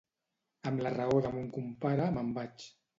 Amb la raó de mon compare me'n vaig.